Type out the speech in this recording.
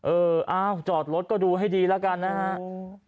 เอออ้าวจอดรถก็ดูให้ดีแล้วกันนะครับ